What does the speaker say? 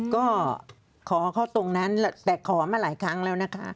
ก็ขอเขาตรงนั้นแต่ขอมาหลายครั้งแล้วนะคะ